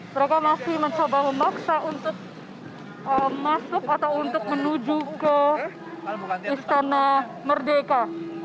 mereka masih mencoba memaksa untuk masuk atau untuk menuju ke istana merdeka